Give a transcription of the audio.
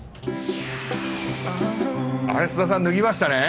菅田さん脱ぎましたね？